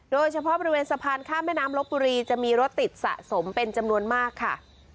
โดยเฉพาะบริเวณสะพานข้ามแม่น้ำลบบุรีจะมีรถติดสะสมเป็นจำนวนมากค่ะ